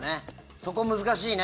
そこ難しいね。